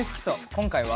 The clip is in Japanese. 今回は。